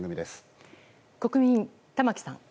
国民、玉木さん。